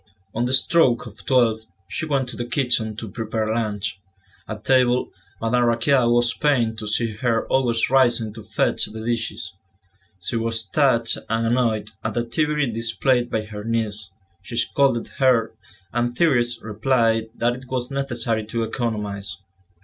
On the stroke of twelve, she went to the kitchen to prepare lunch. At table, Madame Raquin was pained to see her always rising to fetch the dishes; she was touched and annoyed at the activity displayed by her niece; she scolded her, and Thérèse replied that it was necessary to economise.